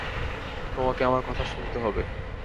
তোমাকে আমার কথা শুনতে হবে।